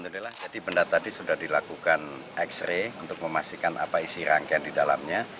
jadi benda tadi sudah dilakukan x ray untuk memastikan apa isi rangkaian di dalamnya